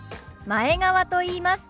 前川と言います。